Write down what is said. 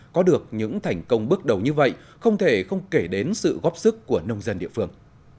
có được những thành công bước đầu như vậy không thể không kể đến sự góp sức của nông dân địa phương